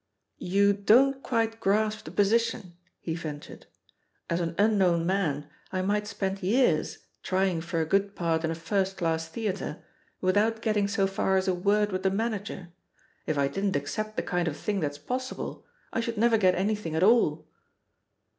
^* "You don't quite grasp the position," he ven tured* "As an unknown man, I might spend years ^trying for a good part in a first class theatre' without getting so far as a word with the manager. If I didn't accept the kind of thing that's possible, I should never get anything at all."